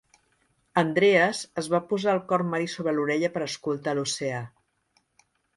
Andreas es va posar el corn marí sobre l'orella per escoltar l'oceà.